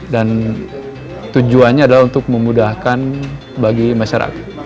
dan tujuannya adalah untuk memudahkan bagi masyarakat